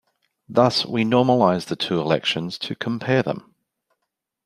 Thus, we normalize the two elections to compare them.